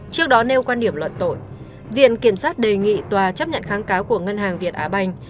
trước đó nêu quan điểm luận tội viện kiểm sát đề nghị tòa chấp nhận kháng cáo của ngân hàng việt á banh